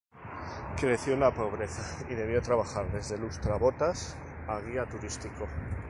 Creció en la pobreza y debió trabajar desde lustra-botas a guía turístico.